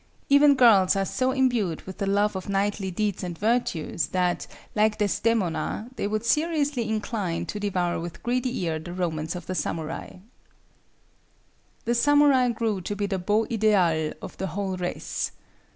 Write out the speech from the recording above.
Even girls are so imbued with the love of knightly deeds and virtues that, like Desdemona, they would seriously incline to devour with greedy ear the romance of the samurai. [Footnote 27: Outside shutters.] The samurai grew to be the beau ideal of the whole race.